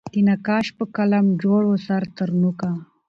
د نقاش په قلم جوړ وو سر ترنوکه